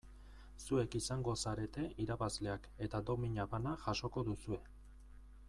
Zuek izango zarete irabazleak eta domina bana jasoko duzue.